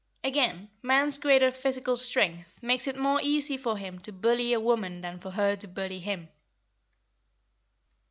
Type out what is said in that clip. Again, man's greater physical strength makes it more easy for him to bully a woman than for her to bully him.